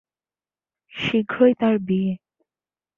শীঘ্রই তার বিয়ে।